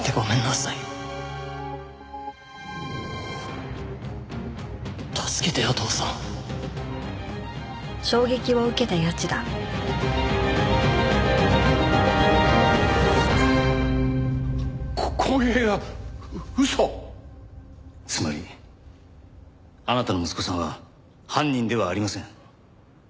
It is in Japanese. つまりあなたの息子さんは犯人ではありません。